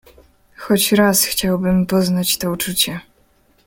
"Choć raz chciałbym poznać to uczucie."